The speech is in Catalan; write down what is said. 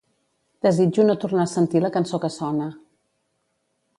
Desitjo no tornar a sentir la cançó que sona.